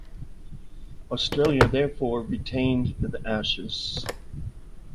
Australia therefore retained the Ashes.